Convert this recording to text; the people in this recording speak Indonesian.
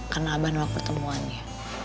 karena abah nolak pertemuannya